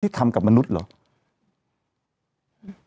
ทำกับมนุษย์เหรอ